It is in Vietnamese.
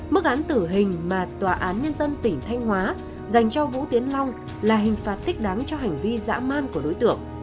mức án tử hình mà tòa án nhân dân tỉnh thanh hóa dành cho vũ tiến long là hình phạt thích đáng cho hành vi dã man của đối tượng